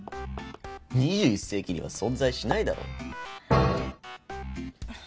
２１世紀には存在しないだろ。